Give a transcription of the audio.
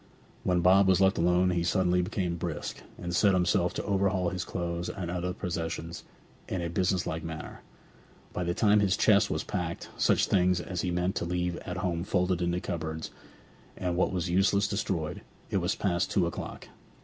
When Bob was left alone he suddenly became brisk, and set himself to overhaul his clothes and other possessions in a business like manner. By the time that his chest was packed, such things as he meant to leave at home folded into cupboards, and what was useless destroyed, it was past two o'clock.